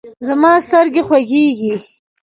زما سترګې خوږیږي